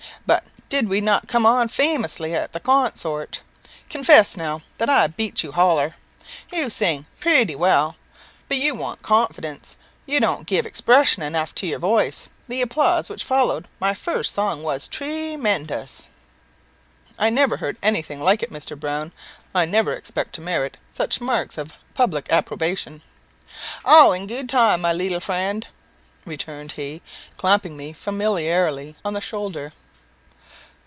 But did we not come on famously at the con sort? Confess, now, that I beat you holler. You sing pretty well, but you want confidence. You don't give expression enough to your voice. The applause which followed my first song was tremendous." "I never heard anything like it, Mr. Browne. I never expect to merit such marks of public approbation." "All in good time, my leetle friend," returned he, clapping me familiarly on the shoulder.